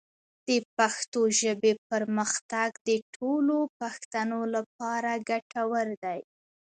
د پښتو ژبې پرمختګ د ټولو پښتنو لپاره ګټور دی.